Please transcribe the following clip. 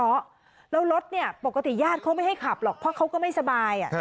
แล้วรถเนี่ยปกติญาติเขาไม่ให้ขับหรอกเพราะเขาก็ไม่สบาย